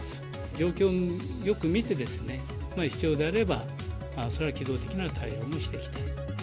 状況をよく見て、必要であれば、それは機動的な対応もしていきたい。